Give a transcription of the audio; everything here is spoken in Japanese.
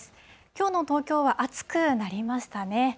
きょうの東京は暑くなりましたね。